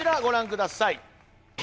ください